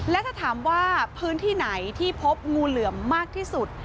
และถ้าถามว่าพื้นที่ไหนที่พบงูเหลือมมากที่สุด